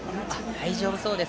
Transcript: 大丈夫そうです。